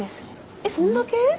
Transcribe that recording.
えそんだけ？